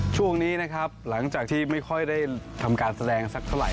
ช่วงนี้นะครับหลังจากที่ไม่ค่อยได้ทำการแสดงสักเท่าไห